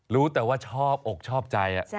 รู้แต่ว่าชอบอกชอบใจ